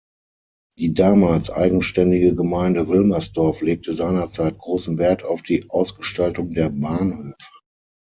Die damals eigenständige Gemeinde Wilmersdorf legte seinerzeit großen Wert auf die Ausgestaltung der Bahnhöfe.